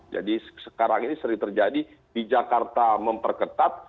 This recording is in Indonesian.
jadi sekarang ini sering terjadi di jakarta memperketat